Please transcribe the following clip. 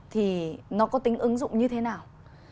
thì nó có tính ứng dụng như thế nào